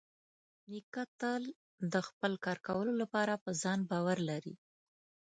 نیکه تل د خپل کار کولو لپاره په ځان باور لري.